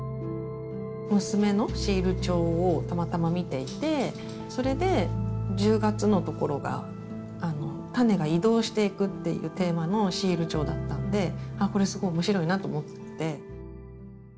娘のシール帳をたまたま見ていてそれで１０月のところが種が移動していくっていうテーマのシール帳だったんであっこれすごい面白いなと思って。